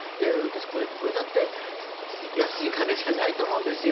これだって安い金じゃないと思うんですよ。